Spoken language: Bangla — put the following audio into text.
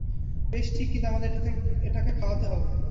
বেশ, ঠিক, কিন্তু আমাদের এটাকে খাওয়াতে হবে।